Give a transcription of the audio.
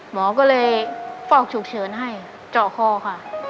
หมอก็เลยฟอกฉุกเฉินให้เจาะคอค่ะ